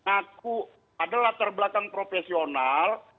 aku adalah terbelakang profesional